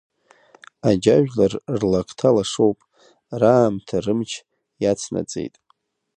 Аџьажәлар рлакҭа лашоуп, раамҭа рымч иацнаҵеит.